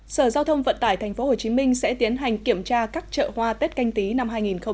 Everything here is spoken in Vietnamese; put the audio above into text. sở giao thông vận tải tp hcm sẽ tiến hành kiểm tra các chợ hoa tết canh tí năm hai nghìn hai mươi